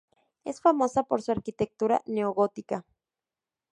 Es famosa por su arquitectura neogótica.